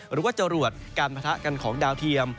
หรือว่าจรวดการปะทะกันของดาวเทียม